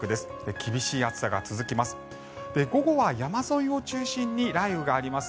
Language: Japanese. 厳しい暑さが続きます。